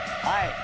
はい。